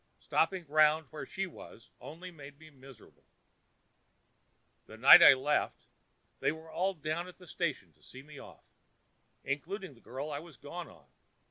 Stopping round where she was only made me miserable. "The night I left they were all down at the station to see me off—including the girl I was gone on.